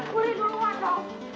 tunggu bu sita